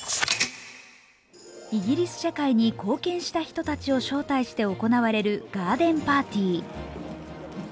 イギリス社会に貢献した人たちを招待して行われるガーデンパーティー。